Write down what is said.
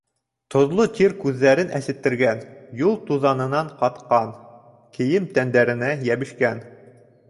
Тоҙло тир күҙҙәрен әсеттергән, юл туҙанынан ҡатҡан кейем тәндәренә йәбешкән.